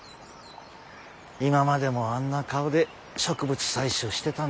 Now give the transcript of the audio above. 今までもあんな顔で植物採集してたんだな。